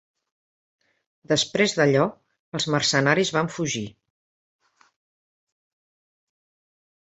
Després d'allò, els mercenaris van fugir.